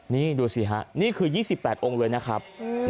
นี่ดูสิฮะนี่คือ๒๘องค์เลยนะครับ